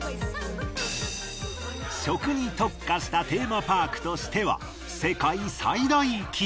食に特化したテーマパークとしては世界最大規模。